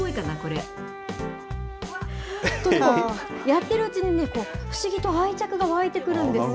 やってるうちにね、不思議と愛着が湧いてくるんです。